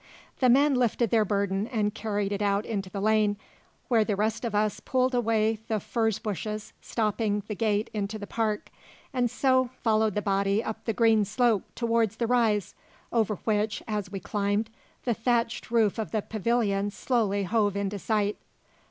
The men lifted their burden and carried it out into the lane, where the rest of us pulled away the furze bushes stopping he gate into the park, and so followed the body up the green slope towards the rise, over which, as we climbed, the thatched roof of the pavilion slowly hove into sight.